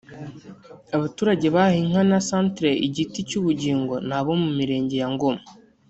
Abaturage bahawe inka na Centre igiti cy’ubugingo ni abo mu Mirenge ya Ngoma